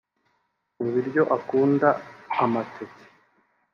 Mu biryo akunda amateke